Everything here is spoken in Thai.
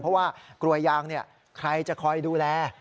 เพราะว่ากลัวยางใครจะคอยดูแล